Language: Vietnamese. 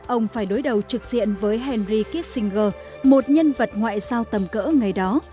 ông phải đối đầu trực diện với henry kitchinger một nhân vật ngoại giao tầm cỡ ngày đó